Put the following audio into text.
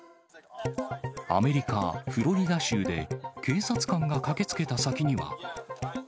アメリカ・フロリダ州で警察官が駆けつけた先には。